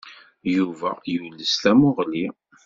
Yuba yules tamuɣli.